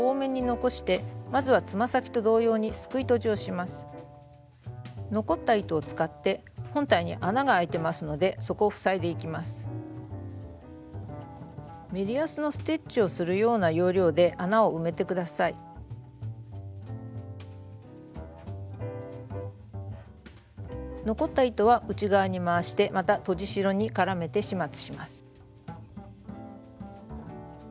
残った糸は内側に回してまたとじ代に絡めて始末します。